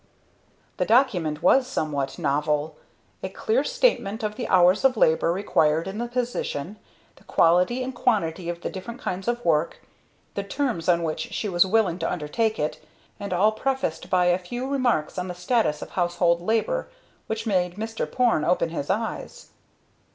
The document was somewhat novel. A clear statement of the hours of labor required in the position, the quality and amount of the different kinds of work; the terms on which she was willing to undertake it, and all prefaced by a few remarks on the status of household labor which made Mr. Porne open his eyes.